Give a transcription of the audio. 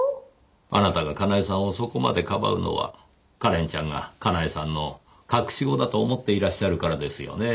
あなたがかなえさんをそこまでかばうのはカレンちゃんがかなえさんの隠し子だと思っていらっしゃるからですよねぇ？